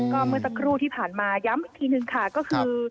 ก็เมื่อสักครู่ที่ผ่านมาย้ำอีกทีหนึ่งค่ะก็คือ